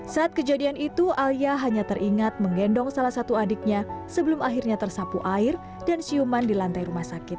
saat kejadian itu alia hanya teringat menggendong salah satu adiknya sebelum akhirnya tersapu air dan siuman di lantai rumah sakit